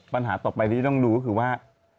ปัญหาต่อไปที่ต้องดูก็คือว่า